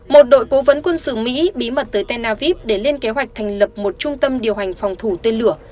một đội cố vấn quân sự mỹ bí mật tới tel aviv để lên kế hoạch thành lập một trung tâm điều hành phòng thủ tên lửa